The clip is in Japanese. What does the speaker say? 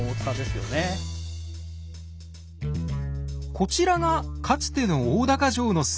こちらがかつての大高城の姿。